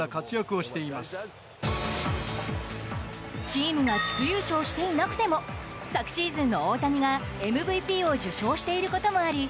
チームが地区優勝していなくても昨シーズンの大谷がＭＶＰを受賞していることもあり